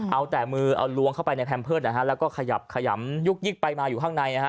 เอาแต่มือเอาลวงเข้าไปในแพมเพิร์ตนะฮะแล้วก็ขยับขยำยุกยิกไปมาอยู่ข้างในนะฮะ